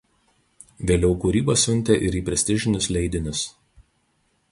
Vėliau kūrybą siuntė ir į prestižinius leidinius.